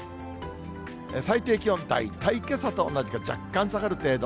最低気温、大体けさと同じか若干下がる程度。